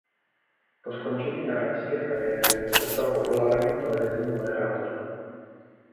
Po skončení hráčské kariéry se stal populárním televizním moderátorem.